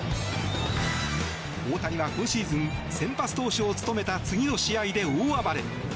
大谷は今シーズン先発投手を務めた次の試合で大暴れ。